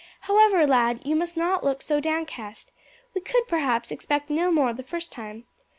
However, lad, you must not look so downcast. We could perhaps expect no more the first time.